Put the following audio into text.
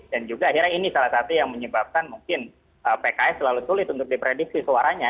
dan juga akhirnya ini salah satu yang menyebabkan mungkin pks selalu sulit untuk diprediksi suaranya